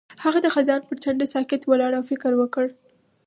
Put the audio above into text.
هغه د خزان پر څنډه ساکت ولاړ او فکر وکړ.